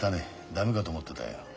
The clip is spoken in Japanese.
駄目かと思ってたよ。